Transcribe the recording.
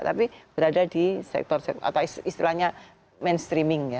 tapi berada di sektor atau istilahnya mainstreaming ya